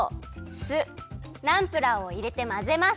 酢ナンプラーをいれてまぜます。